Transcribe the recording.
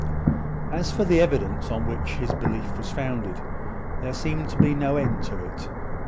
As for the evidence on which his belief was founded, there seemed to be no end to it.